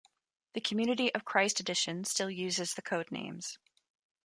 The Community of Christ edition still uses the code names.